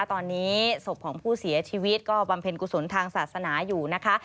ตอนนี้ศพของผู้เสียชีวิตก็บำเพ็ญกุศลทางศาสนาอยู่นะคะ